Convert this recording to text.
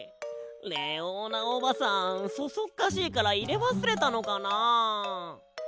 レオーナおばさんそそっかしいからいれわすれたのかな？